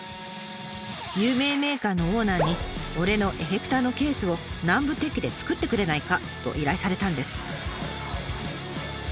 有名メーカーのオーナーに「俺のエフェクターのケースを南部鉄器でつくってくれないか」と依頼されたんです。